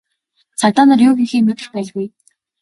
Цагдаа нар юу хийхээ мэдэх байлгүй.